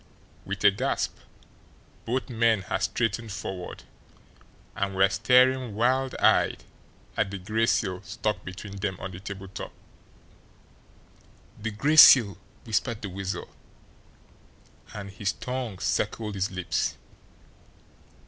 With a gasp, both men had strained forward, and were staring, wild eyed, at the gray seal stuck between them on the tabletop. "The Gray Seal!" whispered the Weasel, and his tongue circled his lips.